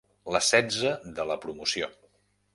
La setze de la promoció.